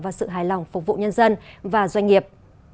và sự hài lòng phục vụ nhân dân và doanh nghiệp